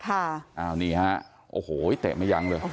อ้าวนี่ฮะโอ้โหเตะไม่ยั้งเลย